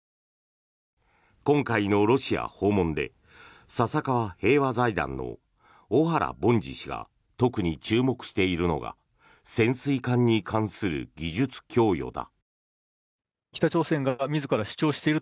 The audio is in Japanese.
今回のロシア訪問で笹川平和財団の小原凡司氏が特に注目しているのが潜水艦に関する技術供与だ。